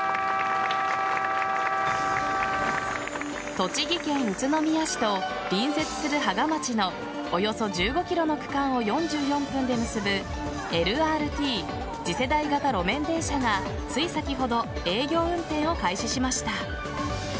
栃木県宇都宮市と隣接する芳賀町のおよそ１５ｋｍの区間を４４分で結ぶＬＲＴ＝次世代型路面電車がつい先ほど営業運転を開始しました。